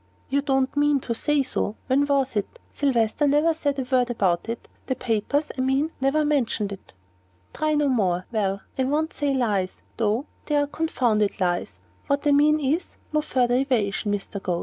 "You don't mean to say so? When was it? Sylvester never said a word about it the papers, I mean, never mentioned it." "Try no more well, I won't say lies, though they are confounded lies what I mean is, no further evasion, Mr. Goad.